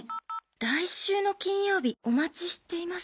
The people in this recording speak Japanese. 「来週の金曜日おまちしています。